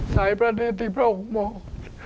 สายพระเนธที่พระองค์มอง